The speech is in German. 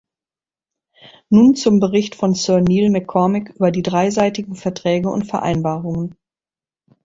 Nun zum Bericht von Sir Neil MacCormick über die dreiseitigen Verträge und Vereinbarungen.